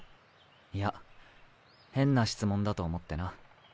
いや変な質問だと思ってな。